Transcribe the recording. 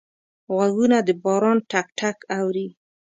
غوږونه د باران ټک ټک اوري